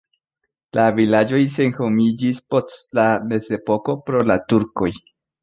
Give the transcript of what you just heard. La vilaĝoj senhomiĝis post la mezepoko pro la turkoj.